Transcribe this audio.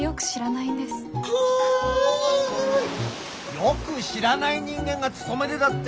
よく知らない人間が勤めでだって